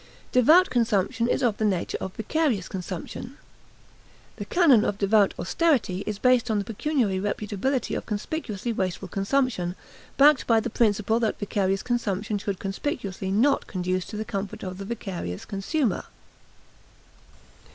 Devout consumption is of the nature of vicarious consumption. This canon of devout austerity is based on the pecuniary reputability of conspicuously wasteful consumption, backed by the principle that vicarious consumption should conspicuously not conduce to the comfort of the vicarious consumer.